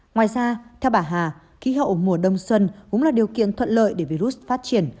ngoài ra theo bà hà khí hậu mùa đông xuân cũng là điều kiện thuận lợi để virus phát triển